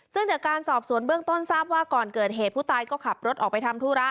ซึ่งจากการสอบสวนเบื้องต้นทราบว่าก่อนเกิดเหตุผู้ตายก็ขับรถออกไปทำธุระ